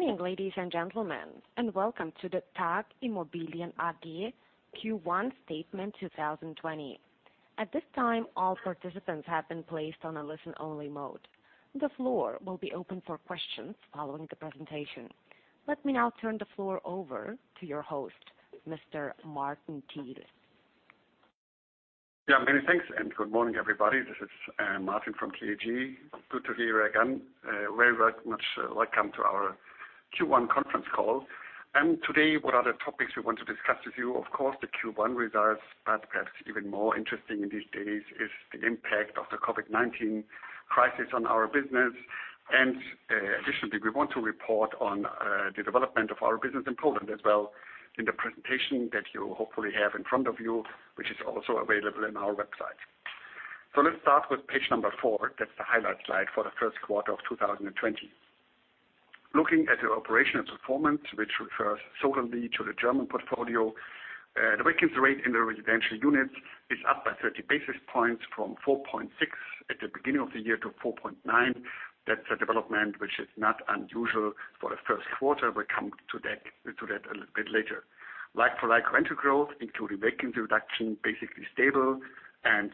Good morning, ladies and gentlemen, welcome to the TAG Immobilien AG Q1 Statement 2020. At this time, all participants have been placed on a listen-only mode. The floor will be open for questions following the presentation. Let me now turn the floor over to your host, Mr. Martin Thiel. Many thanks, good morning, everybody. This is Martin from TAG. Good to hear you again. Very much welcome to our Q1 conference call. Today, what are the topics we want to discuss with you? Of course, the Q1 results, but perhaps even more interesting in these days is the impact of the COVID-19 crisis on our business. Additionally, we want to report on the development of our business in Poland as well in the presentation that you hopefully have in front of you, which is also available on our website. Let's start with page number four. That's the highlight slide for the first quarter of 2020. Looking at the operational performance, which refers solely to the German portfolio, the vacancy rate in the residential units is up by 30 basis points from 4.6 at the beginning of the year to 4.9. That's a development which is not unusual for the first quarter. We'll come to that a little bit later. Like-for-like rental growth, including vacancy reduction, basically stable and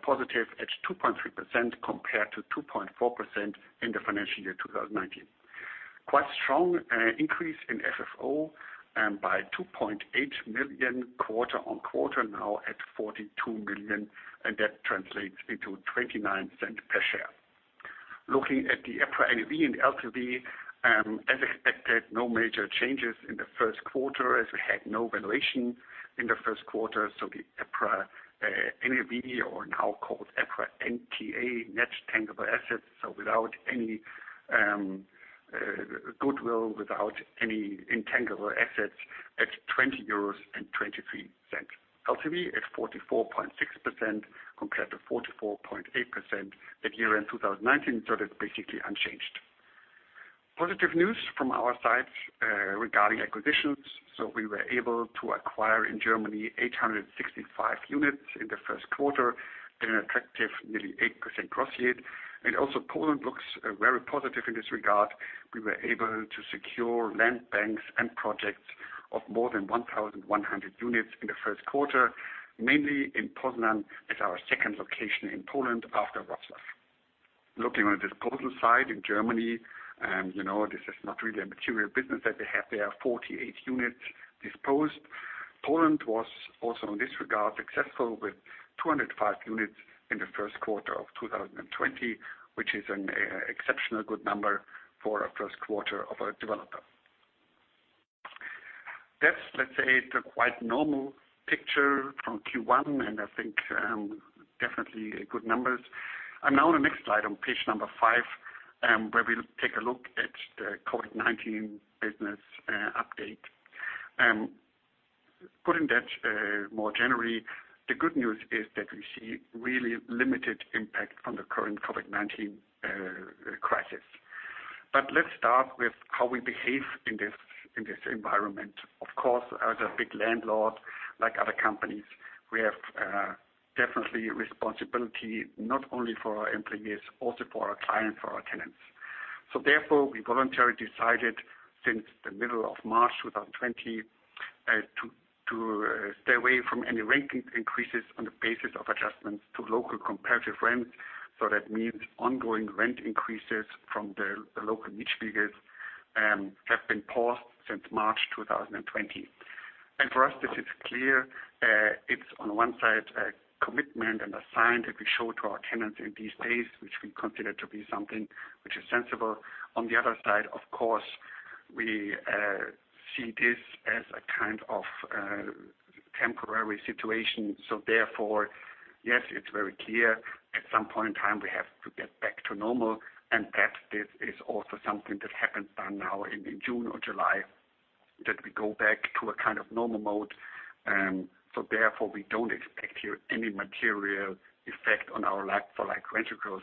positive at 2.3% compared to 2.4% in the financial year 2019. Quite strong increase in FFO by 2.8 million quarter-on-quarter now at 42 million, and that translates into 0.29 per share. Looking at the EPRA NAV and LTV, as expected, no major changes in the first quarter as we had no valuation in the first quarter. The EPRA NAV, or now called EPRA NTA, Net Tangible Assets, so without any goodwill, without any intangible assets, at 20.23 euros. LTV at 44.6% compared to 44.8% at year-end 2019, that's basically unchanged. Positive news from our side regarding acquisitions. We were able to acquire in Germany 865 units in the first quarter at an attractive nearly 8% gross yield. Also Poland looks very positive in this regard. We were able to secure land banks and projects of more than 1,100 units in the first quarter, mainly in Poznań as our second location in Poland after Wrocław. Looking at the disposal side in Germany, this is not really a material business that we have there, 48 units disposed. Poland was also, in this regard, successful with 205 units in the first quarter of 2020, which is an exceptionally good number for a first quarter of a developer. That's, let's say, the quite normal picture from Q1, and I think definitely good numbers. Now on the next slide, on page number five, where we'll take a look at the COVID-19 business update. Putting that more generally, the good news is that we see really limited impact from the current COVID-19 crisis. Let's start with how we behave in this environment. Of course, as a big landlord, like other companies, we have definitely responsibility not only for our employees, also for our clients, for our tenants. Therefore, we voluntarily decided since the middle of March 2020 to stay away from any rent increases on the basis of adjustments to local comparative rents. That means ongoing rent increases from the local Mietspiegel have been paused since March 2020. For us, this is clear. It's on one side a commitment and a sign that we show to our tenants in these days, which we consider to be something which is sensible. On the other side, of course, we see this as a kind of temporary situation. Therefore, yes, it's very clear at some point in time, we have to get back to normal, and that this is also something that happens by now in June or July, that we go back to a kind of normal mode. Therefore, we don't expect here any material effect on our like-for-like rental growth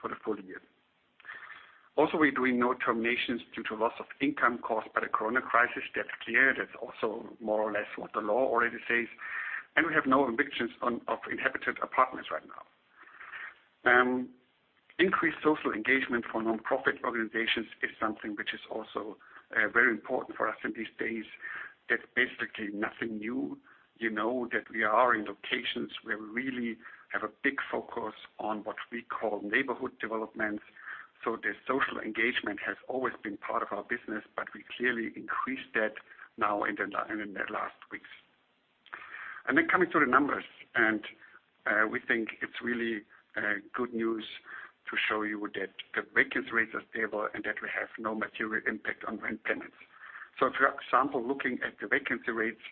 for the full year. We're doing no terminations due to loss of income caused by the Corona crisis. That's clear. That's also more or less what the law already says. We have no evictions of inhabited apartments right now. Increased social engagement for nonprofit organizations is something which is also very important for us in these days. That's basically nothing new. You know that we are in locations where we really have a big focus on what we call neighborhood developments. The social engagement has always been part of our business, but we clearly increased that now in the last weeks. Coming to the numbers, we think it's really good news to show you that the vacancy rate is stable and that we have no material impact on rent payments. For example, looking at the vacancy rates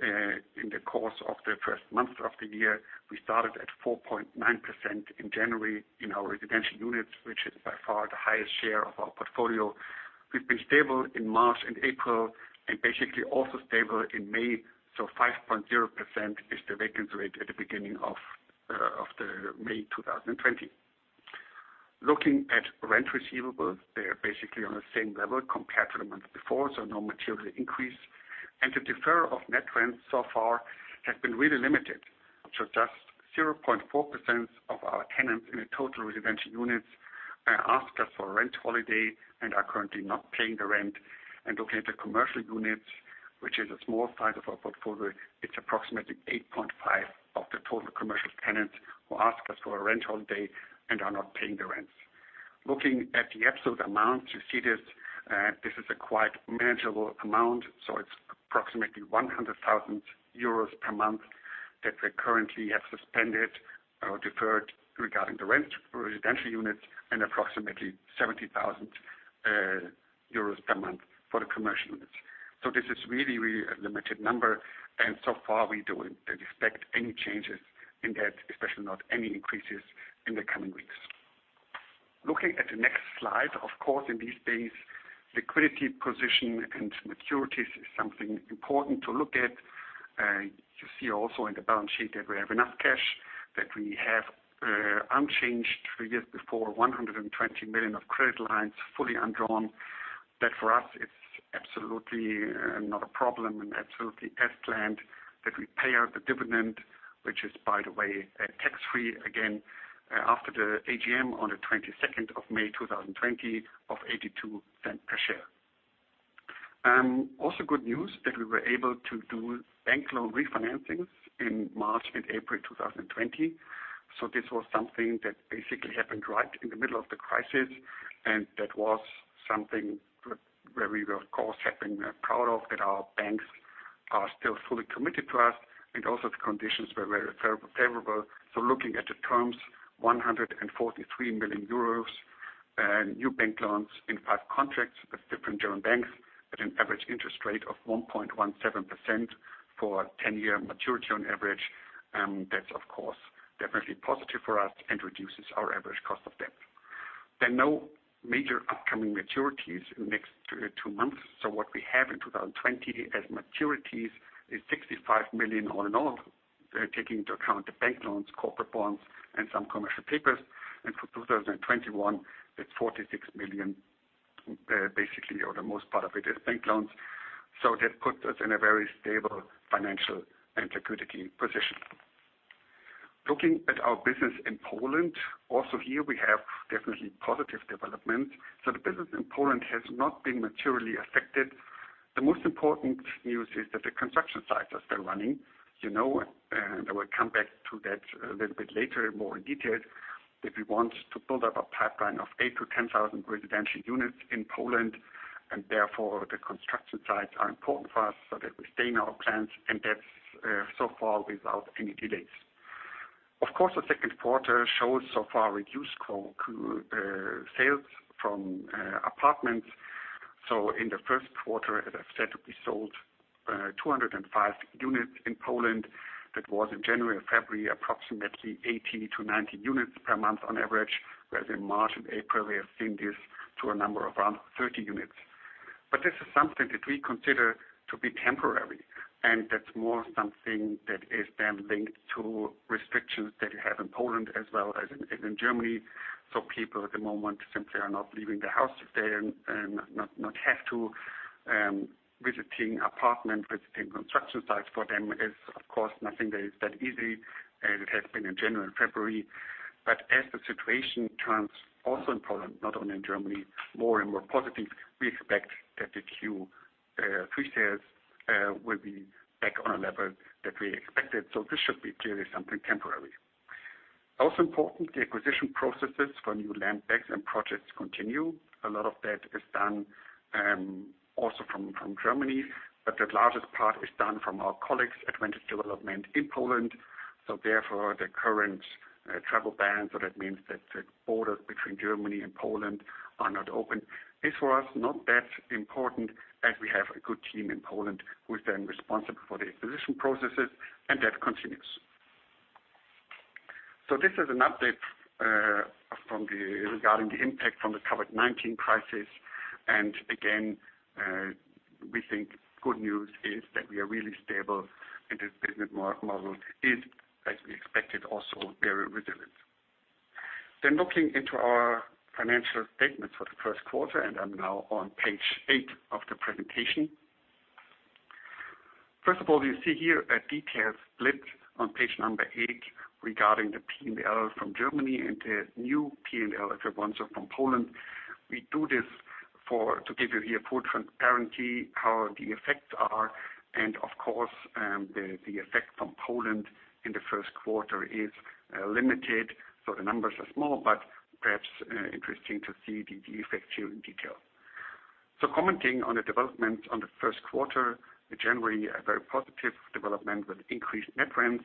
in the course of the first months of the year, we started at 4.9% in January in our residential units, which is by far the highest share of our portfolio. We've been stable in March and April and basically also stable in May. 5.0% is the vacancy rate at the beginning of the May 2020. Looking at rent receivables, they are basically on the same level compared before, no material increase. The deferral of net rents so far has been really limited to just 0.4% of our tenants in the total residential units ask us for a rent holiday and are currently not paying the rent. Looking at the commercial units, which is a small size of our portfolio, it's approximately 8.5% of the total commercial tenants who ask us for a rent holiday and are not paying the rents. Looking at the absolute amount, you see this is a quite manageable amount. It's approximately 100,000 euros per month that we currently have suspended or deferred regarding the residential units and approximately 70,000 euros per month for the commercial units. This is really a limited number, and so far we don't expect any changes in that, especially not any increases in the coming weeks. Looking at the next slide, of course, in these days, liquidity position and maturities is something important to look at. You see also in the balance sheet that we have enough cash, that we have unchanged figures before 120 million of credit lines fully undrawn. That, for us, it's absolutely not a problem and absolutely as planned that we pay out the dividend, which is, by the way, tax-free again after the AGM on the 22nd of May 2020 of 0.82 per share. Good news that we were able to do bank loan refinancings in March and April 2020. This was something that basically happened right in the middle of the crisis, and that was something where we were of course happy and proud of that our banks are still fully committed to us, and also the conditions were very favorable. Looking at the terms, 143 million euros new bank loans in five contracts with different German banks at an average interest rate of 1.17% for a 10-year maturity on average. That's of course definitely positive for us and reduces our average cost of debt. There are no major upcoming maturities in the next two months. What we have in 2020 as maturities is 65 million all in all, taking into account the bank loans, corporate bonds and some commercial papers. For 2021, it's 46 million. Basically, or the most part of it is bank loans. That puts us in a very stable financial and liquidity position. Looking at our business in Poland, also here we have definitely positive development. The business in Poland has not been materially affected. The most important news is that the construction sites are still running. I will come back to that a little bit later in more detail. That we want to build up a pipeline of eight to 10,000 residential units in Poland, and therefore the construction sites are important for us so that we stay in our plans and that is so far without any delays. Of course, the second quarter shows so far reduced sales from apartments. In the first quarter, as I have said, we sold 205 units in Poland. That was in January and February, approximately 80 to 90 units per month on average, whereas in March and April, we have seen this to a number of around 30 units. This is something that we consider to be temporary, and that is more something that is then linked to restrictions that you have in Poland as well as in Germany. People at the moment simply are not leaving the house if they not have to. Visiting apartment, visiting construction sites for them is, of course, nothing that is that easy as it has been in January and February. As the situation turns also in Poland, not only in Germany, more and more positive, we expect that the Q3 sales will be back on a level that we expected. This should be clearly something temporary. Also important, the acquisition processes for new land banks and projects continue. A lot of that is done also from Germany, but the largest part is done from our colleagues at Vantage Development in Poland. Therefore, the current travel ban. That means that the borders between Germany and Poland are not open is for us not that important as we have a good team in Poland who is then responsible for the acquisition processes, and that continues. This is an update regarding the impact from the COVID-19 crisis. Again, we think good news is that we are really stable and this business model is, as we expected, also very resilient. Looking into our financial statements for the first quarter, and I'm now on page eight of the presentation. First of all, you see here a detailed split on page number eight regarding the P&L from Germany and the new P&L, the ones from Poland. We do this to give you here full transparency, how the effects are. Of course, the effect from Poland in the first quarter is limited. The numbers are small, but perhaps interesting to see the effects here in detail. Commenting on the development on the first quarter, generally a very positive development with increased net rents,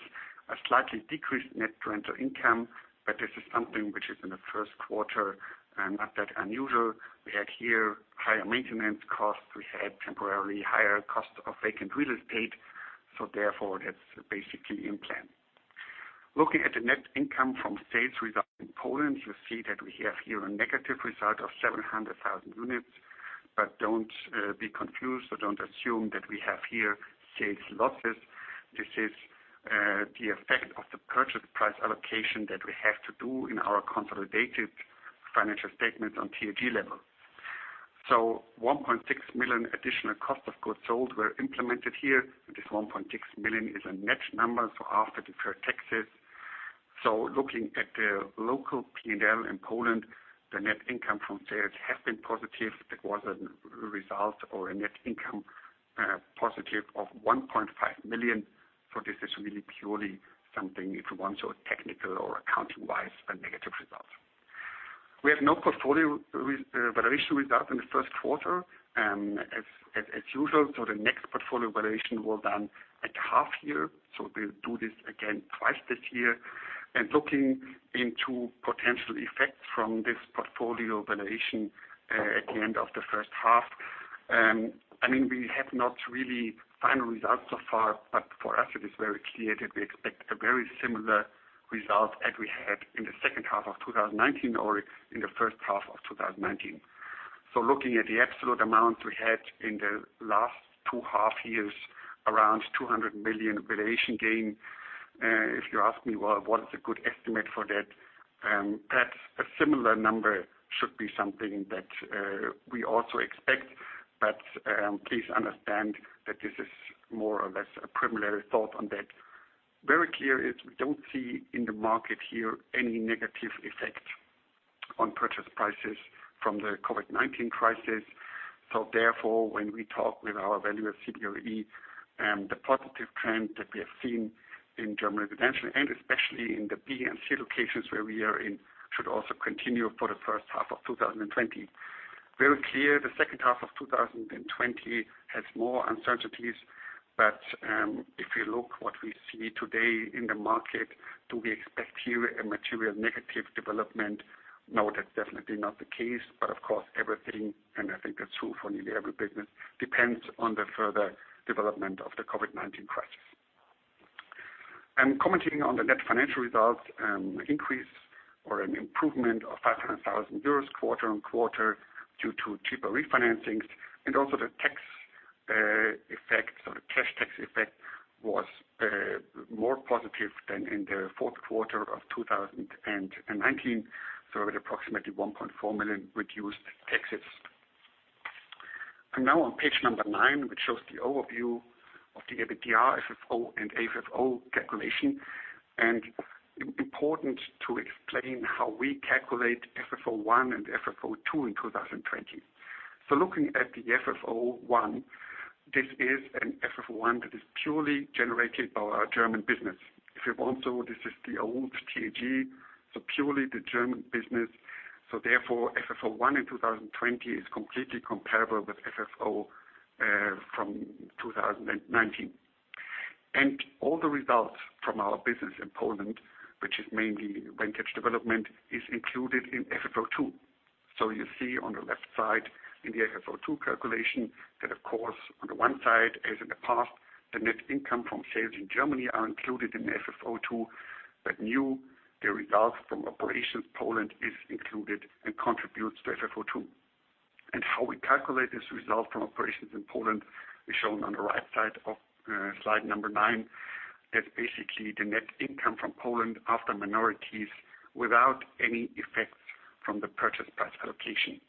a slightly decreased net rental income. This is something which is in the first quarter, not that unusual. We had here higher maintenance costs. We had temporarily higher cost of vacant real estate. Therefore, that's basically in plan. Looking at the net income from sales result in Poland, you see that we have here a negative result of 700,000 units. Don't be confused. Don't assume that we have here sales losses. This is the effect of the purchase price allocation that we have to do in our consolidated financial statement on TAG level. 1.6 million additional cost of goods sold were implemented here. This 1.6 million is a net number, so after deferred taxes. Looking at the local P&L in Poland, the net income from sales has been positive. That was a result or a net income positive of 1.5 million. This is really purely something, if you want, technical or accounting-wise, a negative result. We have no portfolio valuation result in the first quarter. As usual, the next portfolio valuation was done at half year. We'll do this again twice this year. Looking into potential effects from this portfolio valuation at the end of the first half, we have not really final results so far, but for us it is very clear that we expect a very similar result as we had in the second half of 2019 or in the first half of 2019. Looking at the absolute amount we had in the last two half years, around 200 million valuation gain. If you ask me, well, what is a good estimate for that? Perhaps a similar number should be something that we also expect. Please understand that this is more or less a preliminary thought on that. Very clear is we don't see in the market here any negative effect on purchase prices from the COVID-19 crisis. Therefore, when we talk with our valuer CBRE, the positive trend that we have seen in German residential, and especially in the B and C locations where we are in, should also continue for the first half of 2020. Very clear, the second half of 2020 has more uncertainties. If you look what we see today in the market, do we expect here a material negative development? No, that's definitely not the case. Of course, everything, and I think that's true for nearly every business, depends on the further development of the COVID-19 crisis. Commenting on the net financial results, an increase or an improvement of 500,000 euros quarter-on-quarter due to cheaper refinancings. Also the tax effect or the cash tax effect was more positive than in the fourth quarter of 2019. We had approximately 1.4 million reduced taxes. Now on page number 9, which shows the overview of the EBITDA, FFO and AFFO calculation. Important to explain how we calculate FFO 1 and FFO 2 in 2020. Looking at the FFO 1, this is an FFO 1 that is purely generated by our German business. If you want so, this is the old TAG, so purely the German business. Therefore, FFO 1 in 2020 is completely comparable with FFO from 2019. All the results from our business in Poland, which is mainly Vantage Development, is included in FFO 2. You see on the left side in the FFO 2 calculation that, of course, on the one side, as in the past, the net income from sales in Germany are included in FFO 2. New, the results from operations Poland is included and contributes to FFO 2. How we calculate this result from operations in Poland is shown on the right side of slide number nine. That's basically the net income from Poland after minorities, without any effects from the purchase price allocation.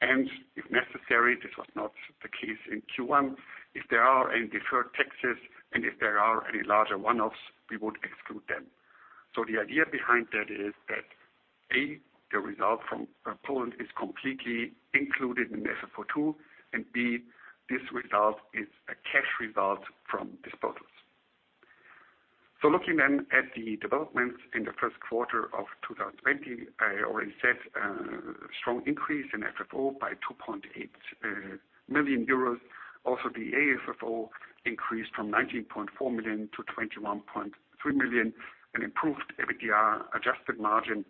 If necessary, this was not the case in Q1, if there are any deferred taxes and if there are any larger one-offs, we would exclude them. The idea behind that is that, A, the result from Poland is completely included in the FFO 2, and B, this result is a cash result from disposals. Looking at the developments in the first quarter of 2020, I already said strong increase in FFO by 2.8 million euros. The AFFO increased from 19.4 million to 21.3 million, an improved EBITDA adjusted margin.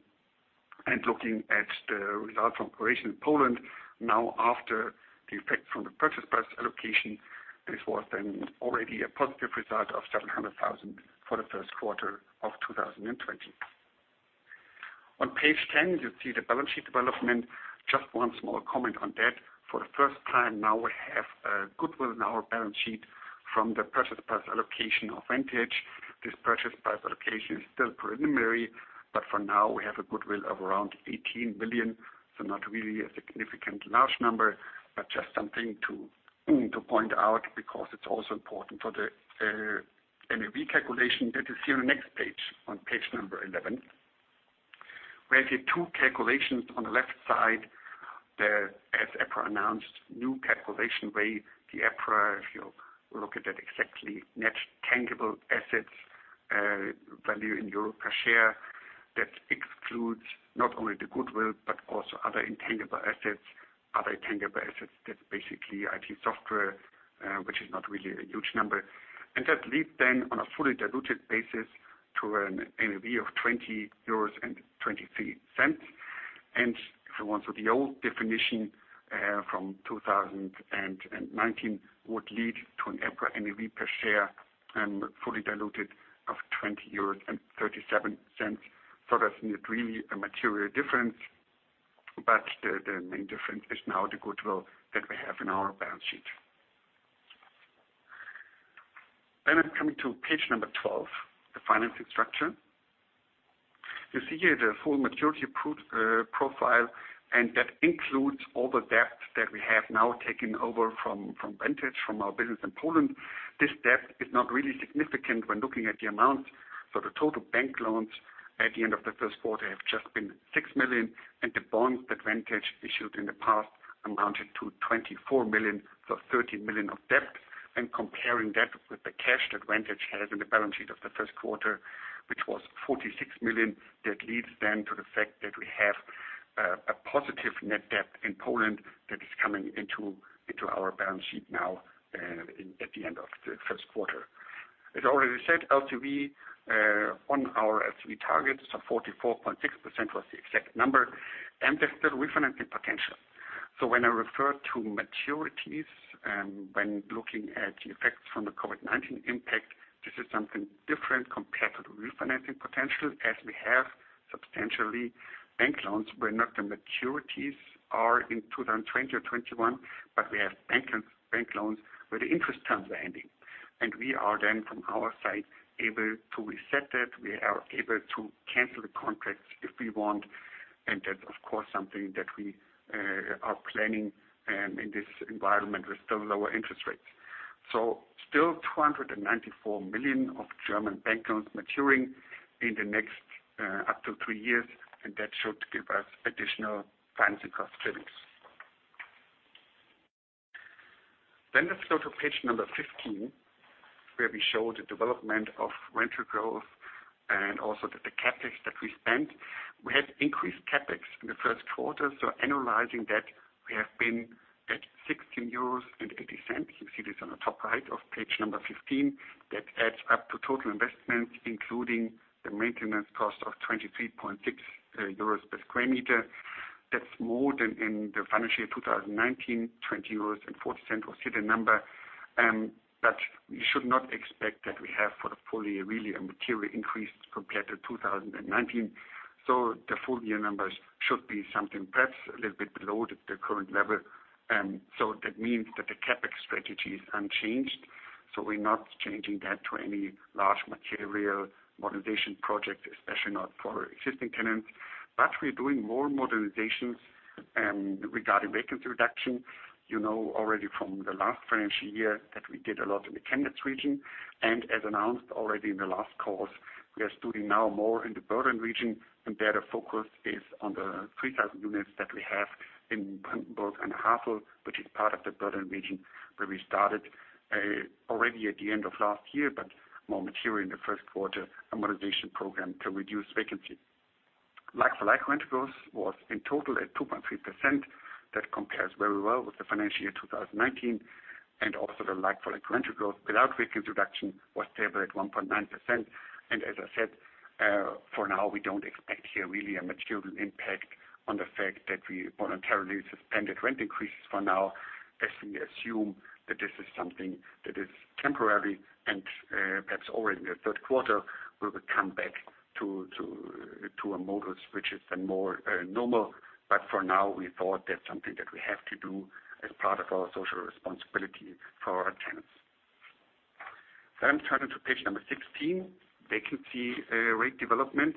Looking at the result from operation in Poland now after the effect from the purchase price allocation, this was already a positive result of 700,000 for the first quarter of 2020. On page 10, you see the balance sheet development. Just one small comment on that. For the first time now we have a goodwill in our balance sheet from the purchase price allocation of Vantage. This purchase price allocation is still preliminary, but for now, we have a goodwill of around 18 million. Not really a significant large number, but just something to point out because it's also important for the NAV calculation that is here on the next page, on page number 11. Where the two calculations on the left side, the, as EPRA announced, new calculation way, the EPRA, if you look at that exactly, Net Tangible Assets value in EUR per share. That excludes not only the goodwill, but also other intangible assets. Other intangible assets, that's basically IT software, which is not really a huge number. That leads then on a fully diluted basis to an NAV of 20.23 euros. If you want, the old definition from 2019 would lead to an EPRA NAV per share, fully diluted of 20.37 euros. That's not really a material difference. The main difference is now the goodwill that we have in our balance sheet. I'm coming to page 12, the financing structure. You see here the full maturity profile, that includes all the debt that we have now taken over from Vantage, from our business in Poland. This debt is not really significant when looking at the amount. The total bank loans at the end of the first quarter have just been 6 million, the bonds that Vantage issued in the past amounted to 24 million, 30 million of debt. Comparing that with the cash that Vantage has in the balance sheet of the first quarter, which was 46 million, that leads then to the fact that we have a positive net debt in Poland that is coming into our balance sheet now at the end of the first quarter. As already said, LTV, on our LTV targets of 44.6% was the exact number, and there's still refinancing potential. When I refer to maturities, when looking at the effects from the COVID-19 impact, this is something different compared to the refinancing potential, as we have substantial bank loans where not the maturities are in 2020 or 2021, but we have bank loans where the interest terms are ending. We are then, from our side, able to reset that. We are able to cancel the contracts if we want, that is, of course, something that we are planning in this environment with still lower interest rates. Still 294 million of German bank loans maturing in the next up to three years, that should give us additional financing cost savings. Let's go to page number 15, where we show the development of rental growth and also the CapEx that we spent. We had increased CapEx in the first quarter, annualizing that, we have been at 16.80 euros. You see this on the top right of page number 15. That adds up to total investments, including the maintenance cost of 23.6 euros per sq m. That is more than in the financial year 2019, 20.40 euros was here the number. You should not expect that we have for the full year really a material increase compared to 2019. The full year numbers should be something perhaps a little bit below the current level. That means that the CapEx strategy is unchanged. We're not changing that to any large material modernization project, especially not for existing tenants. We're doing more modernizations regarding vacancy reduction. You know already from the last financial year that we did a lot in the Chemnitz region. As announced already in the last call, we are doing now more in the Berlin region, and there the focus is on the 3,000 units that we have in Brandenburg an der Havel, which is part of the Berlin region, where we started already at the end of last year, but more material in the first quarter, a modernization program to reduce vacancy. Like-for-like rental growth was in total at 2.3%. That compares very well with the financial year 2019. Also the like-for-like rental growth without vacancy reduction was stable at 1.9%. As I said, for now we don't expect here really a material impact on the fact that we voluntarily suspended rent increases for now, as we assume that this is something that is temporary and perhaps already in the third quarter we will come back to a modus which is then more normal. For now, we thought that's something that we have to do as part of our social responsibility for our tenants. Turning to page number 16, vacancy rate development.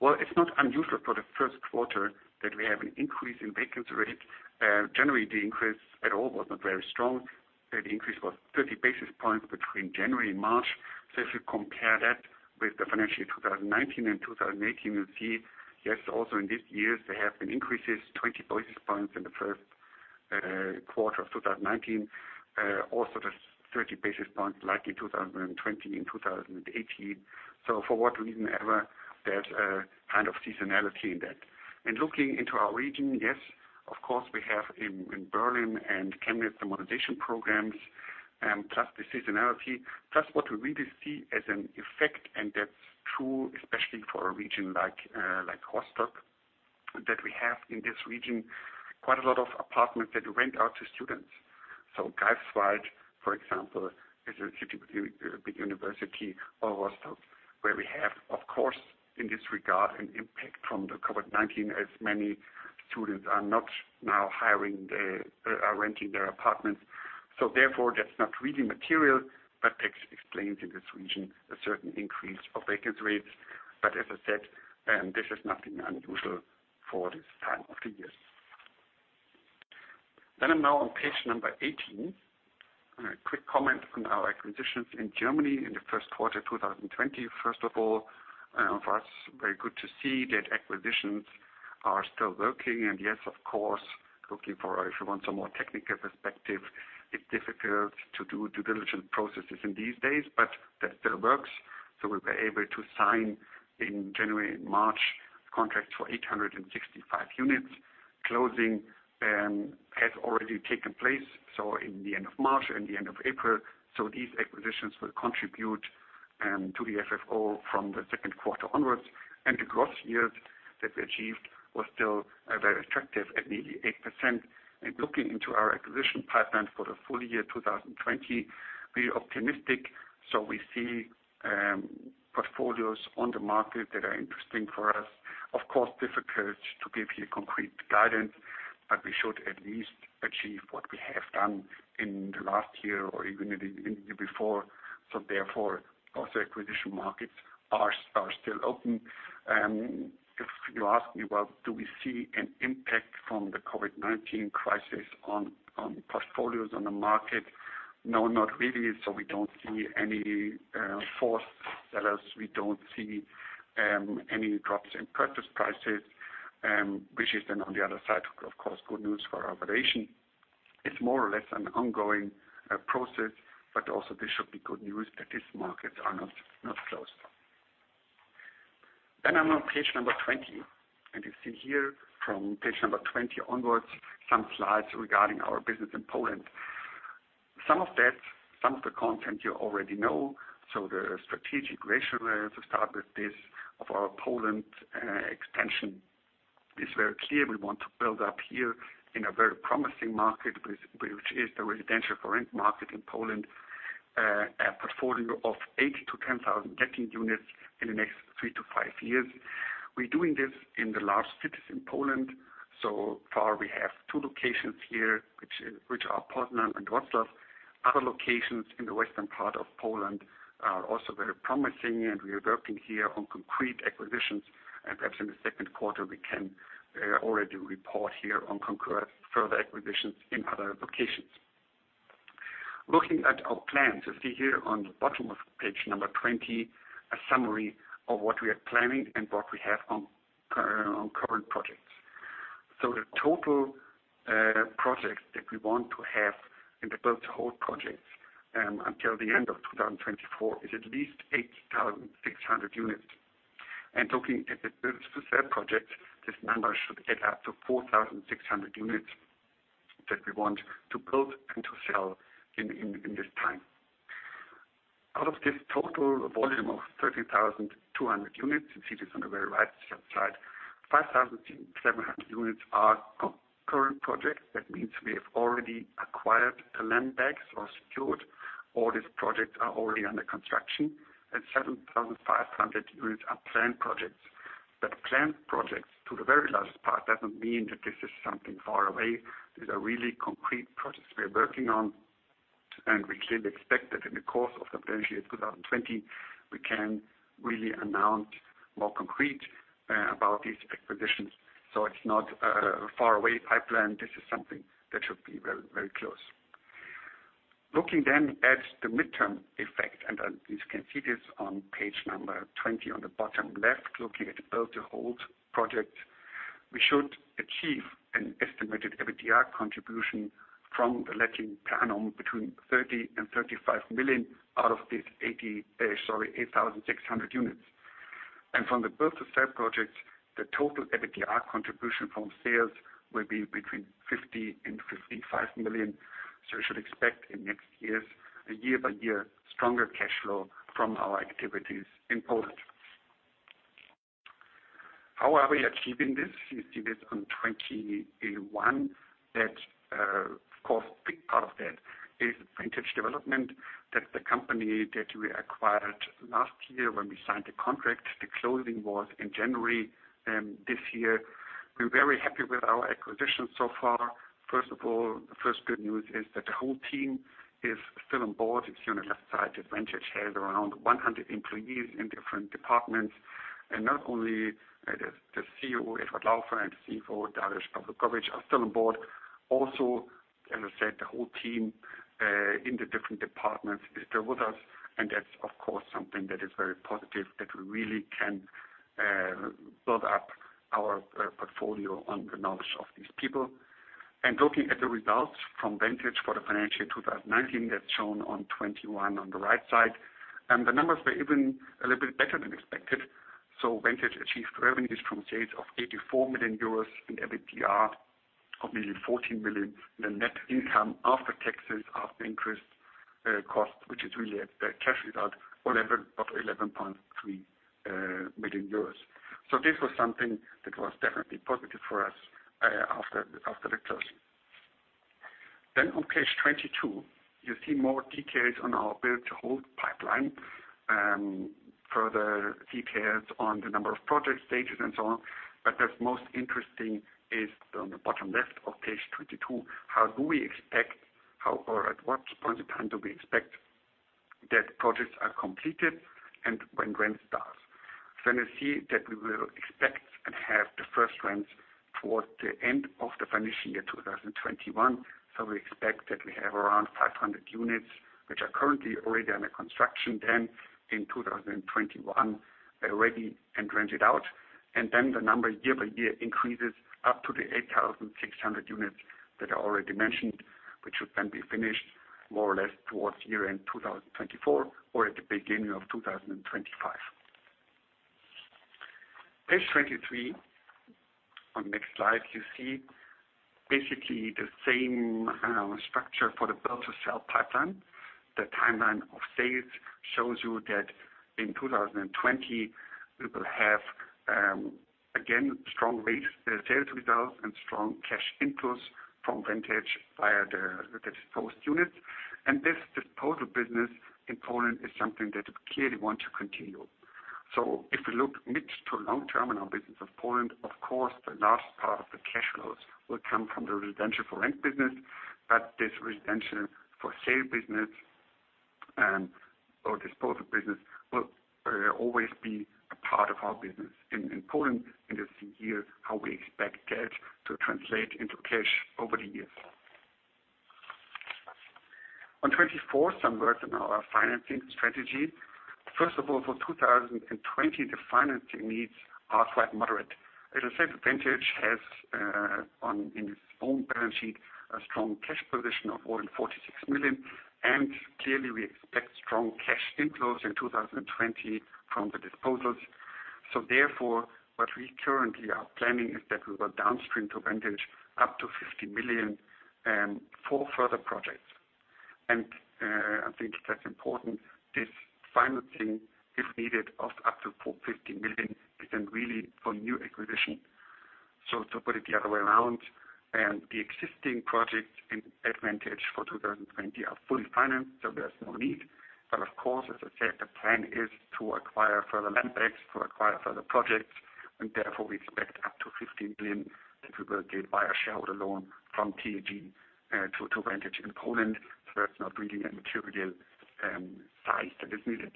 Well, it's not unusual for the first quarter that we have an increase in vacancy rate. Generally, the increase at all was not very strong. The increase was 30 basis points between January and March. If you compare that with the financial year 2019 and 2018, you'll see, yes, also in these years there have been increases, 20 basis points in the first quarter of 2019. The 30 basis points like in 2020, in 2018. For what reason ever, there's a kind of seasonality in that. Looking into our region, yes, of course, we have in Berlin and Chemnitz the modernization programs, plus the seasonality, plus what we really see as an effect, and that's true especially for a region like Rostock, that we have in this region quite a lot of apartments that rent out to students. Greifswald, for example, is a city with a big university or Rostock, where we have, of course, in this regard, an impact from the COVID-19 as many students are not now renting their apartments. Therefore, that's not really material, but explains in this region a certain increase of vacancy rates. As I said, this is nothing unusual for this time of the year. I'm now on page number 18. A quick comment on our acquisitions in Germany in the first quarter 2020. First of all, for us, very good to see that acquisitions are still working. Yes, of course, looking for, if you want some more technical perspective, it's difficult to do due diligence processes in these days, but that still works. We were able to sign in January and March contracts for 865 units. Closing has already taken place, in the end of March and the end of April. These acquisitions will contribute to the FFO from the second quarter onwards. The gross yield that we achieved was still very attractive at 8%. Looking into our acquisition pipeline for the full year 2020, we're optimistic. We see portfolios on the market that are interesting for us. Of course, difficult to give you concrete guidance, but we should at least achieve what we have done in the last year or even in the year before. Therefore, also acquisition markets are still open. If you ask me, well, do we see an impact from the COVID-19 crisis on portfolios on the market? No, not really. We don't see any forced sellers. We don't see any drops in purchase prices, which is then, on the other side, of course, good news for our valuation. It's more or less an ongoing process, but also this should be good news that these markets are not closed. I'm on page number 20, and you see here from page number 20 onwards some slides regarding our business in Poland. Some of that, some of the content you already know. The strategic rationale, to start with this, of our Poland expansion is very clear. We want to build up here in a very promising market, which is the residential current market in Poland, a portfolio of 8,000 to 10,000 letting units in the next three to five years. We're doing this in the large cities in Poland. So far, we have two locations here, which are Poznań and Wrocław. Other locations in the western part of Poland are also very promising, and we are working here on concrete acquisitions. Perhaps in the second quarter, we can already report here on further acquisitions in other locations. Looking at our plans, you see here on the bottom of page number 20, a summary of what we are planning and what we have on current projects. The total projects that we want to have in the build to hold projects until the end of 2024 is at least 8,600 units. Looking at the build to sell projects, this number should get up to 4,600 units that we want to build and to sell in this time. Out of this total volume of 13,200 units, you see this on the very right-hand side, 5,700 units are current projects. That means we have already acquired the land banks or secured, or these projects are already under construction, and 7,500 units are planned projects. Planned projects, to the very large part, doesn't mean that this is something far away. These are really concrete projects we are working on, and we clearly expect that in the course of the financial year 2020, we can really announce more concrete about these acquisitions. It's not a far away pipeline. This is something that should be very close. Looking at the midterm effect, as you can see this on page number 20 on the bottom left, looking at the build to hold project. We should achieve an estimated EBITDA contribution from the letting plan on between 30 million and 35 million out of these 8,600 units. From the build to sell projects, the total EBITDA contribution from sales will be between 50 million and 55 million. You should expect in next years, a year-by-year stronger cash flow from our activities in Poland. How are we achieving this? You see this on 21. That, of course, big part of that is Vantage Development. That's the company that we acquired last year when we signed the contract. The closing was in January this year. We're very happy with our acquisitions so far. First of all, the first good news is that the whole team is still on board. You see on the left side that Vantage has around 100 employees in different departments. Not only the CEO, Edward Laufer, and CFO, Dariusz Pawlukowicz are still on board. Also, as I said, the whole team in the different departments is there with us. That's, of course, something that is very positive that we really can build up our portfolio on the knowledge of these people. Looking at the results from Vantage for the financial year 2019, that's shown on 21 on the right side. The numbers were even a little bit better than expected. Vantage achieved revenues from sales of 84 million euros in EBITDA of nearly 14 million, the net income after taxes, after increased costs, which is really a cash result of 11.3 million euros. This was something that was definitely positive for us after the closing. On page 22, you see more details on our build to hold pipeline. Further details on the number of project stages and so on. That's most interesting is on the bottom left of page 22, how or at what point in time do we expect that projects are completed and when rent starts. You see that we will expect and have the first rents towards the end of the financial year 2021. We expect that we have around 500 units, which are currently already under construction then in 2021, ready and rented out. The number year by year increases up to the 8,600 units that I already mentioned, which would then be finished more or less towards year end 2024 or at the beginning of 2025. Page 23, on the next slide, you see basically the same structure for the build to sell pipeline. The timeline of sales shows you that in 2020, we will have again strong sales results and strong cash inflows from Vantage via the disposed units. This disposal business in Poland is something that we clearly want to continue. If we look mid to long term in our business of Poland, of course, the last part of the cash flows will come from the residential for rent business, but this residential for sale business or disposal business will always be a part of our business in Poland and this is how we expect that to translate into cash over the years. On 24, some words on our financing strategy. First of all, for 2020, the financing needs are quite moderate. As I said, Vantage has in its own balance sheet a strong cash position of more than 46 million. Clearly, we expect strong cash inflows in 2020 from the disposals. Therefore, what we currently are planning is that we will downstream to Vantage up to 50 million for further projects. I think that's important. This financing, if needed, of up to 450 million, is really for new acquisition. To put it the other way around, the existing projects at Vantage for 2020 are fully financed, there's no need. Of course, as I said, the plan is to acquire further land banks, to acquire further projects, and therefore we expect up to 50 million that we will get via shareholder loan from TAG to Vantage in Poland. That's not really a material size that is needed.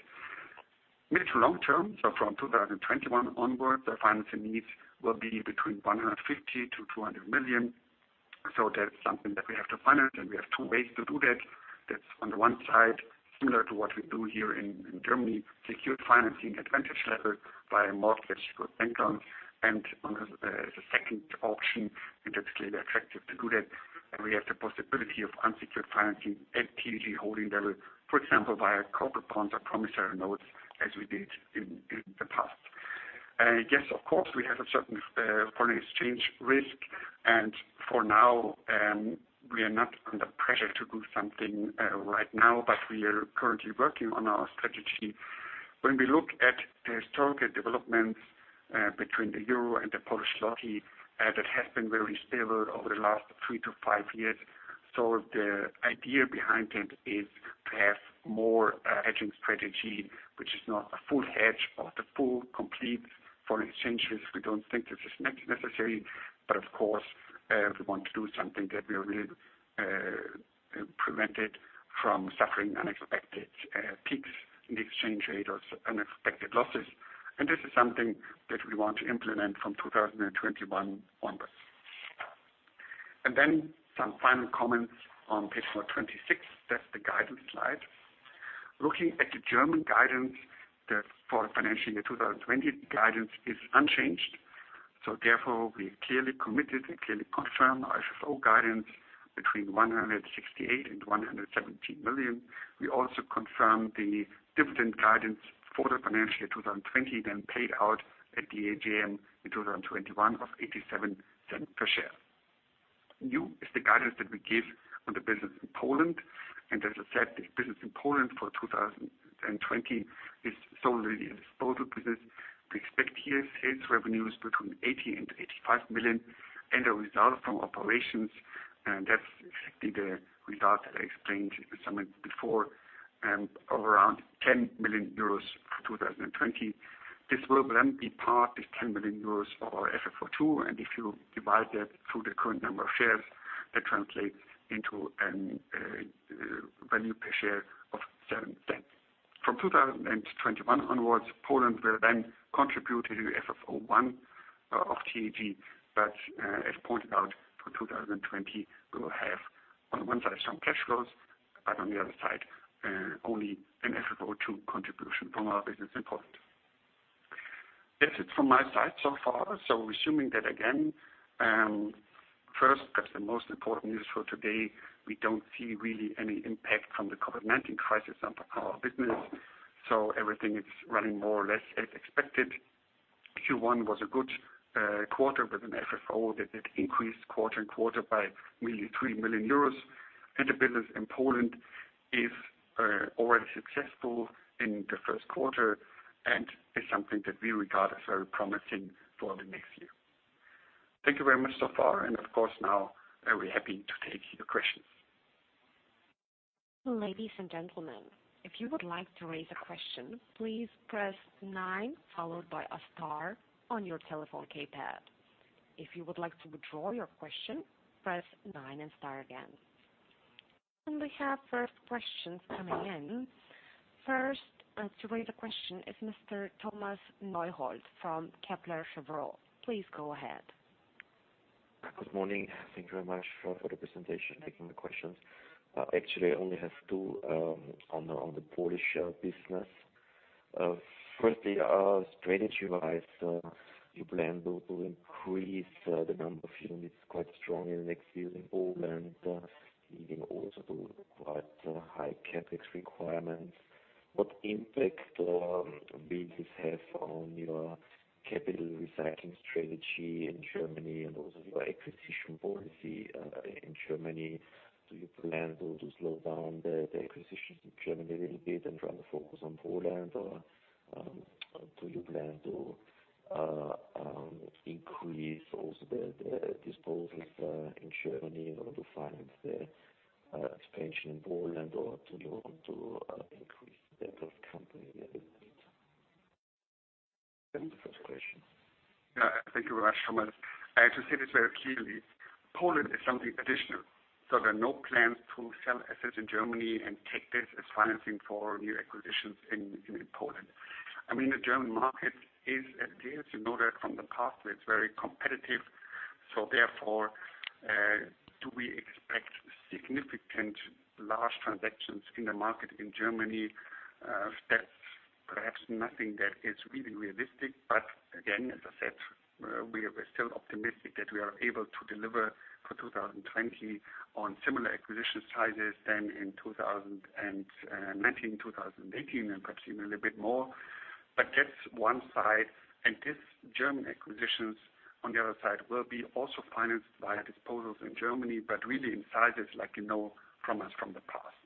Mid to long term, from 2021 onwards, the financing needs will be between 150 million-200 million. That's something that we have to finance, and we have two ways to do that. That's on the one side, similar to what we do here in Germany, secured financing at Vantage level via mortgage or bank loans. As a second option, and that's clearly the attractive to do that, we have the possibility of unsecured financing at TAG Holding level, for example, via corporate bonds or promissory notes as we did in the past. Of course, we have a certain foreign exchange risk and for now, we are not under pressure to do something right now, but we are currently working on our strategy. When we look at the historical developments between the euro and the Polish zloty, that has been very stable over the last three to five years. The idea behind it is to have more hedging strategy, which is not a full hedge of the full complete foreign exchanges. We don't think this is necessary, but of course, we want to do something that will really prevent it from suffering unexpected peaks in the exchange rate or unexpected losses. This is something that we want to implement from 2021 onwards. Some final comments on page number 26. That's the guidance slide. Looking at the German guidance for the financial year 2020, the guidance is unchanged. We clearly committed and clearly confirm our FFO guidance between 168 million and 170 million. We also confirm the dividend guidance for the financial year 2020, then paid out at the AGM in 2021 of 0.87 per share. New is the guidance that we give on the business in Poland. As I said, the business in Poland for 2020 is solely the disposal business. We expect here sales revenues between 80 million and 85 million and a result from operations, and that's exactly the result that I explained a moment before, of around 10 million euros for 2020. This will then be part, this 10 million euros, for our FFO II, and if you divide that through the current number of shares, that translates into a value per share of 0.07. From 2021 onwards, Poland will then contribute to the FFO 1 of TAG, but as pointed out, for 2020, we will have on one side some cash flows, but on the other side, only an FFO 2 contribution from our business in Poland. That's it from my side so far. Resuming that again, first, that's the most important news for today. We don't see really any impact from the COVID-19 crisis on our business. Everything is running more or less as expected. Q1 was a good quarter with an FFO that increased quarter-on-quarter by really 3 million euros. The business in Poland is already successful in the first quarter and is something that we regard as very promising for the next year. Thank you very much so far. Of course, now, we're happy to take your questions. Ladies and gentlemen, if you would like to raise a question, please press Nine followed by a star on your telephone keypad. If you would like to withdraw your question, press Nine and Star again. We have first questions coming in. First to raise a question is Mr. Thomas Neuhold from Kepler Cheuvreux. Please go ahead. Good morning. Thank you very much for the presentation, taking the questions. Actually, I only have two on the Polish business. Firstly, strategy-wise, you plan to increase the number of units quite strongly in the next years in Poland. You also do quite high CapEx requirements. What impact will this have on your capital recycling strategy in Germany and also your acquisition policy in Germany? Do you plan to slow down the acquisitions in Germany a little bit and rather focus on Poland or do you plan to increase also the disposals in Germany in order to finance the expansion in Poland or do you want to increase the debt of company a little bit? That's the first question. Yeah. Thank you very much, Thomas. To say this very clearly, Poland is something additional. There are no plans to sell assets in Germany and take this as financing for new acquisitions in Poland. I mean, the German market is as it is. You know that from the past, it's very competitive. Therefore, do we expect significant large transactions in the market in Germany? That's perhaps nothing that is really realistic. Again, as I said, we are still optimistic that we are able to deliver for 2020 on similar acquisition sizes than in 2019, 2018, and perhaps even a little bit more. That's one side, and these German acquisitions, on the other side, will be also financed via disposals in Germany, but really in sizes like you know from us from the past.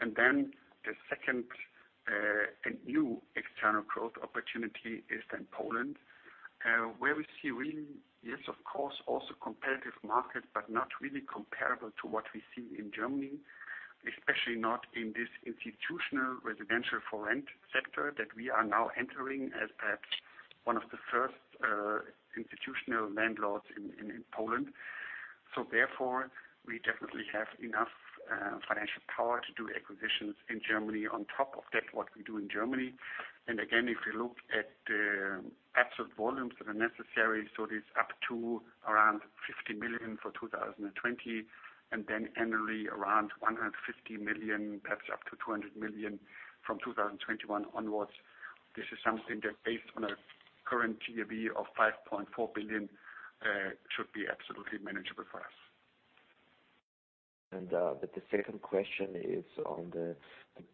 The second, a new external growth opportunity is Poland, where we see really, yes, of course, also competitive market, but not really comparable to what we see in Germany, especially not in this institutional residential for rent sector that we are now entering as perhaps one of the first institutional landlords in Poland. We definitely have enough financial power to do acquisitions in Germany. On top of that, what we do in Germany, and again, if you look at the absolute volumes that are necessary, it is up to around 50 million for 2020, and then annually around 150 million, perhaps up to 200 million from 2021 onwards. This is something that based on a current GAV of 5.4 billion, should be absolutely manageable for us. The second question is on the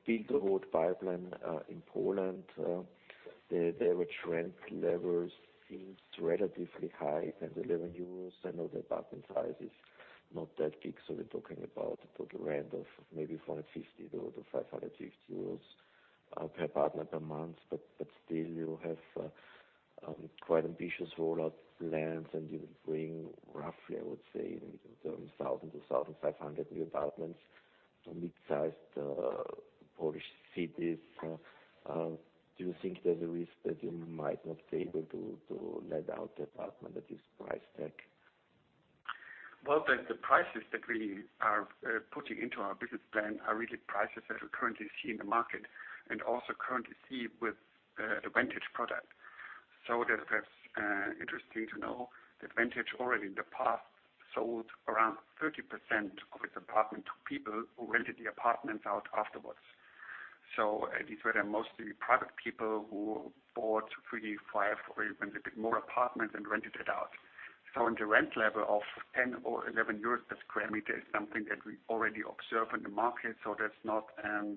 build-to-hold pipeline in Poland. The average rent levels seems relatively high, EUR 10, 11 euros. I know the apartment size is not that big, so we're talking about a total rent of maybe 450-550 euros per apartment per month. Still, you have quite ambitious rollout plans, and you bring roughly, I would say, in terms of 1,000-1,500 new apartments to mid-sized Polish cities. Do you think there's a risk that you might not be able to let out the apartment at this price tag? Well, the prices that we are putting into our business plan are really prices that we currently see in the market and also currently see with the Vantage product. That's interesting to know that Vantage already in the past sold around 30% of its apartment to people who rented the apartments out afterwards. These were then mostly private people who bought three, five, or even a bit more apartments and rented it out. On the rent level of 10 or 11 euros per square meter is something that we already observe in the market, that's not a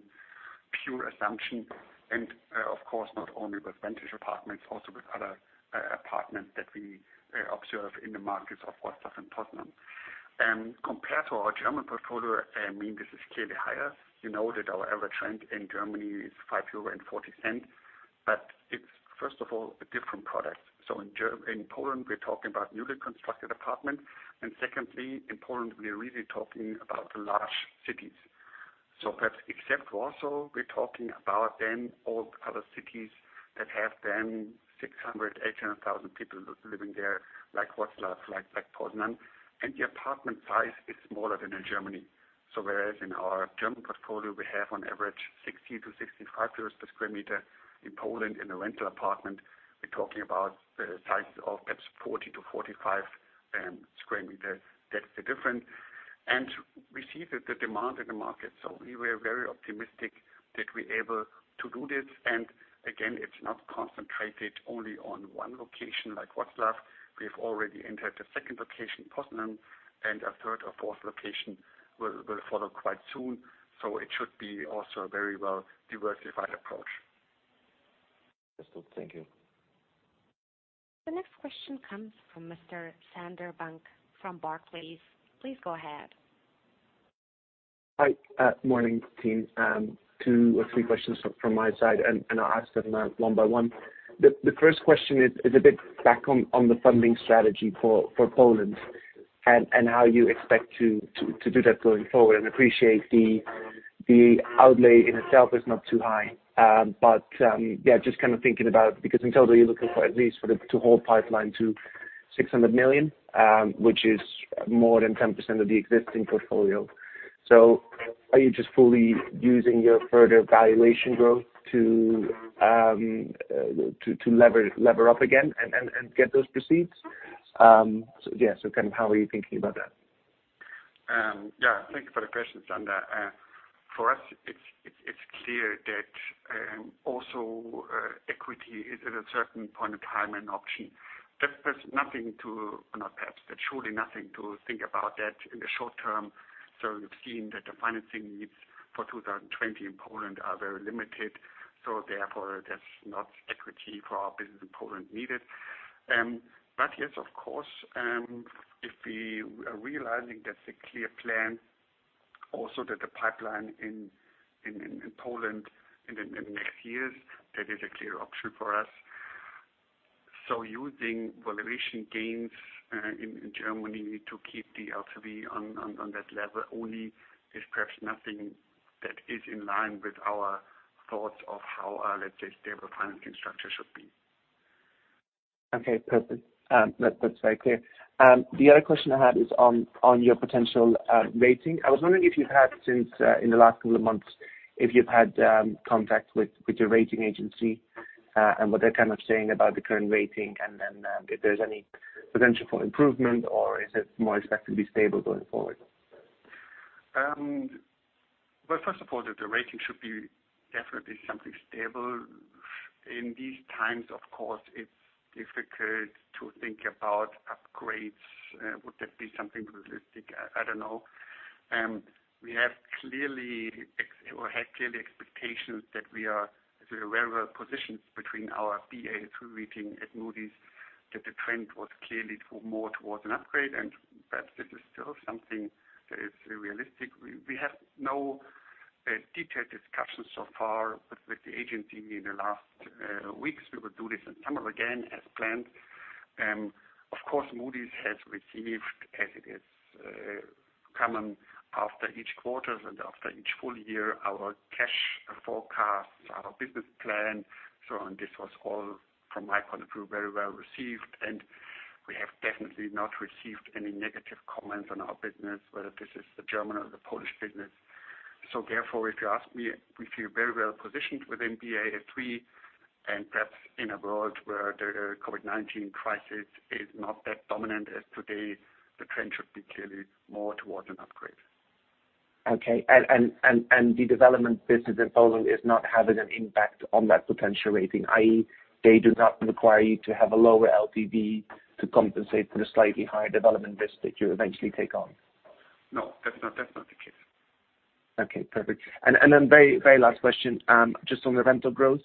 pure assumption. Of course, not only with Vantage apartments, also with other apartments that we observe in the markets of Wrocław and Poznań. Compared to our German portfolio, I mean, this is clearly higher. You know that our average rent in Germany is 5.40 euro, it's first of all, a different product. In Poland, we're talking about newly constructed apartments, and secondly, in Poland, we are really talking about the large cities. Perhaps except Wrocław, we're talking about then all the other cities that have then 600,000 to 800,000 people living there, like Wrocław, like Poznań. The apartment size is smaller than in Germany. Whereas in our German portfolio, we have on average 60 to 65 squares per square meter. In Poland, in a rental apartment, we're talking about sizes of perhaps 40 to 45 sq m. That's the difference. We see that the demand in the market. We were very optimistic that we're able to do this, and again, it's not concentrated only on one location like Wrocław. We've already entered the second location, Poznań, and a third or fourth location will follow quite soon. It should be also a very well-diversified approach. That's good. Thank you. The next question comes from Mr. Sander Bank from Barclays. Please go ahead. Hi. Morning, team. Two or three questions from my side, and I'll ask them one by one. The first question is a bit back on the funding strategy for Poland and how you expect to do that going forward. Appreciate the outlay in itself is not too high. just kind of thinking about it, because in total, you're looking for at least for the to-hold pipeline to 600 million, which is more than 10% of the existing portfolio. Are you just fully using your further valuation growth to lever up again and get those proceeds? How are you thinking about that? Yeah. Thank you for the question, Sander. For us, it's clear that also equity is at a certain point of time an option. There's surely nothing to think about that in the short term. You've seen that the financing needs for 2020 in Poland are very limited. Therefore, there's not equity for our business in Poland needed. Yes, of course, if we are realizing that the clear plan, also that the pipeline in Poland in the next years, that is a clear option for us. Using valuation gains in Germany to keep the LTV on that level only is perhaps nothing that is in line with our thoughts of how, let's say, a stable financing structure should be. Okay, perfect. That's very clear. The other question I had is on your potential rating. I was wondering if you've had, since in the last couple of months, if you've had contact with the rating agency and what they're saying about the current rating, and then if there's any potential for improvement, or is it more expected to be stable going forward? Well, first of all, the rating should be definitely something stable. In these times, of course, it's difficult to think about upgrades. Would that be something realistic? I don't know. We have clearly expectations that we are very well positioned between our Ba2 rating at Moody's, that the trend was clearly more towards an upgrade, and perhaps this is still something that is realistic. We have no detailed discussions so far with the agency in the last weeks. We will do this in summer again as planned. Of course, Moody's has received, as it is common after each quarter and after each full year, our cash forecast, our business plan. On this was all, from my point of view, very well received. We have definitely not received any negative comments on our business, whether this is the German or the Polish business. Therefore, if you ask me, we feel very well positioned within Baa3 and perhaps in a world where the COVID-19 crisis is not that dominant as today, the trend should be clearly more towards an upgrade. Okay. The development business in Poland is not having an impact on that potential rating, i.e., they do not require you to have a lower LTV to compensate for the slightly higher development risk that you eventually take on? No, that's not the case. Okay, perfect. Very last question, just on the rental growth.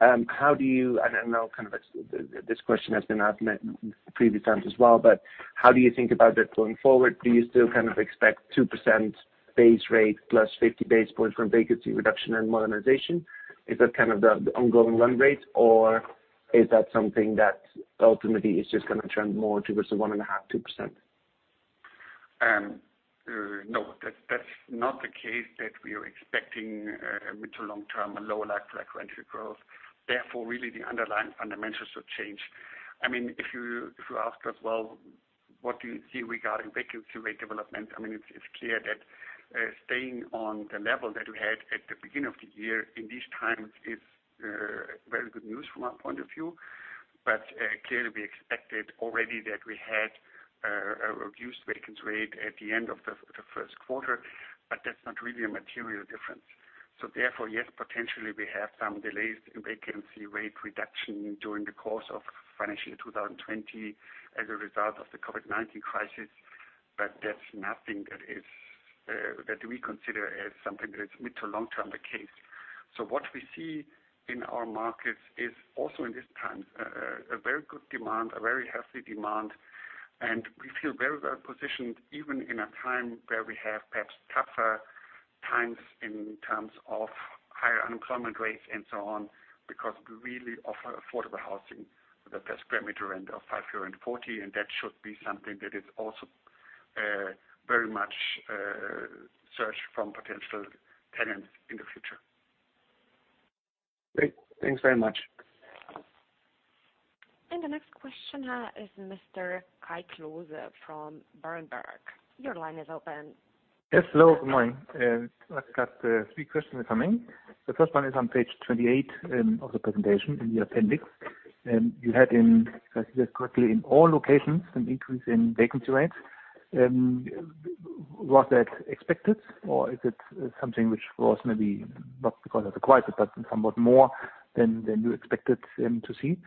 I know this question has been asked many previous times as well, how do you think about that going forward? Do you still expect 2% base rate plus 50 basis points from vacancy reduction and modernization? Is that the ongoing run rate, or is that something that ultimately is just going to trend more towards the 1.5, 2%? No. That's not the case that we are expecting mid to long term a lower like-for-like rental growth. Really, the underlying fundamentals have changed. If you ask us, well, what do you see regarding vacancy rate development? It's clear that staying on the level that we had at the beginning of the year in these times is very good news from our point of view. Clearly, we expected already that we had a reduced vacancy rate at the end of the first quarter, but that's not really a material difference. Yes, potentially, we have some delays in vacancy rate reduction during the course of financial 2020 as a result of the COVID-19 crisis. That's nothing that we consider as something that is mid to long term the case. What we see in our markets is also in these times, a very good demand, a very healthy demand, and we feel very well positioned even in a time where we have perhaps tougher times in terms of higher unemployment rates and so on, because we really offer affordable housing with abase per-meter rent of €540, and that should be something that is also very much searched from potential tenants in the future. Great. Thanks very much. The next question is Mr. Kai Klose from Berenberg. Your line is open. Yes. Hello, good morning. I've got three questions coming. The first one is on page 28 of the presentation in the appendix. You had in, if I see this correctly, in all locations, an increase in vacancy rates. Was that expected, or is it something which was maybe not because of the crisis, but somewhat more than you expected to see?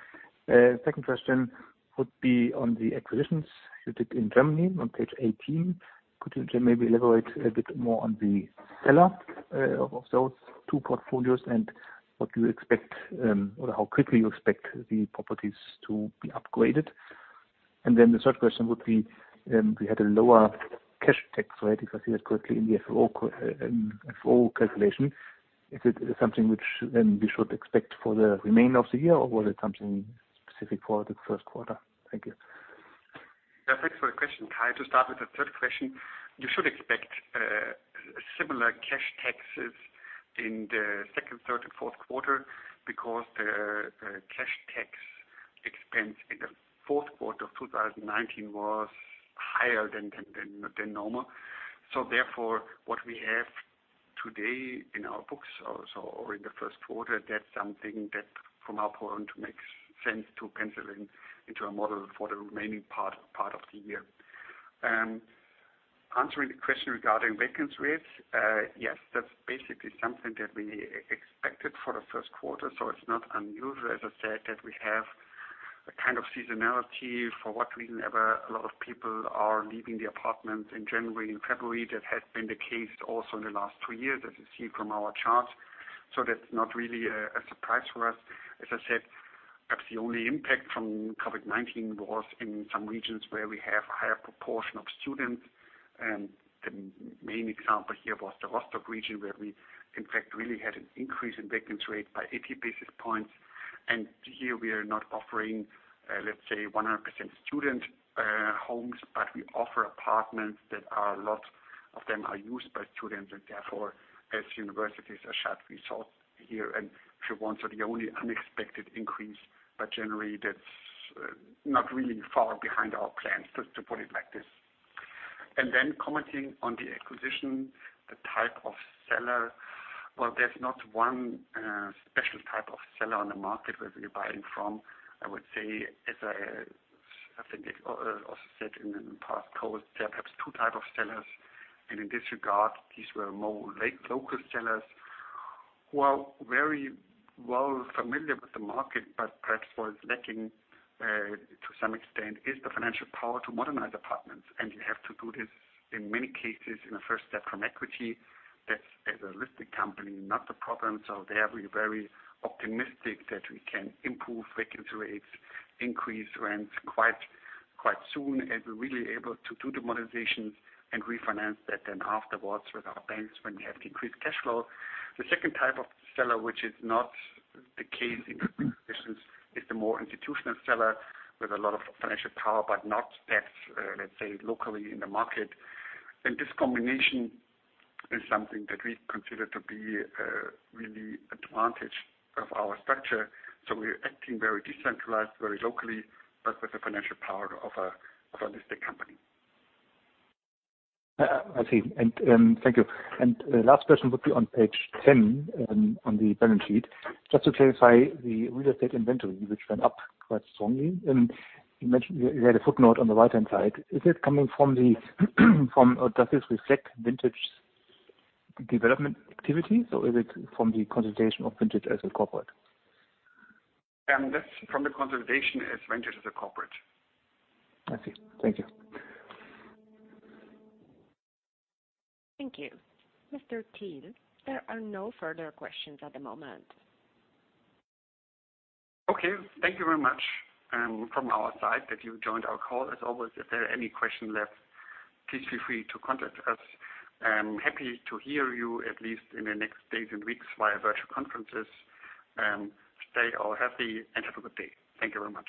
Second question would be on the acquisitions you did in Germany on page 18. Could you maybe elaborate a little bit more on the seller of those two portfolios and what you expect, or how quickly you expect the properties to be upgraded? The third question would be, we had a lower cash tax rate, if I see that correctly in the FFO calculation. Is it something which then we should expect for the remainder of the year, or was it something specific for the first quarter? Thank you. Thanks for the question, Kai. To start with the third question, you should expect similar cash taxes in the second, third, and fourth quarter because the cash tax expense in the fourth quarter of 2019 was higher than normal. Therefore, what we have today in our books or in the first quarter, that's something that from our point makes sense to cancel into our model for the remaining part of the year. Answering the question regarding vacancy rates. Yes, that's basically something that we expected for the first quarter, it's not unusual, as I said, that we have a kind of seasonality for what reason ever, a lot of people are leaving the apartment in January and February. That has been the case also in the last two years, as you see from our chart. That's not really a surprise for us. As I said, perhaps the only impact from COVID-19 was in some regions where we have a higher proportion of students. The main example here was the Rostock region, where we in fact really had an increase in vacancy rate by 80 basis points. Here we are not offering, let's say 100% student homes, but we offer apartments that a lot of them are used by students, and therefore as universities are shut, we saw here in Schwerin the only unexpected increase. Generally, that's not really far behind our plans, to put it like this. Commenting on the acquisition, the type of seller. Well, there's not one special type of seller on the market where we're buying from. I would say, as I think I also said in the past calls, there are perhaps 2 type of sellers. In this regard, these were more local sellers who are very well familiar with the market, but perhaps what is lacking to some extent is the financial power to modernize apartments. You have to do this in many cases in a first step from equity. That's, as a listed company, not the problem. There we're very optimistic that we can improve vacancy rates, increase rents quite soon, as we're really able to do the modernization and refinance that then afterwards with our banks when we have the increased cash flow. The second type of seller, which is not the case in acquisitions, is the more institutional seller with a lot of financial power, but not that, let's say, locally in the market. This combination is something that we consider to be really advantage of our structure. We're acting very decentralized, very locally, but with the financial power of a listed company. I see, and thank you. Last question would be on page 10 on the balance sheet. Just to clarify the real estate inventory, which went up quite strongly. You had a footnote on the right-hand side. Does this reflect Vantage Development activity, or is it from the consolidation of Vantage as a corporate? That's from the consolidation as Vantage as a corporate. I see. Thank you. Thank you. Mr. Thiel, there are no further questions at the moment. Thank you very much from our side that you joined our call. As always, if there are any questions left, please feel free to contact us. Happy to hear you at least in the next days and weeks via virtual conferences. Stay all healthy and have a good day. Thank you very much.